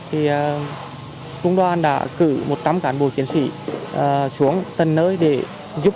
thì trung đoàn đã cử một trăm linh cán bộ chiến sĩ xuống tận nơi để giúp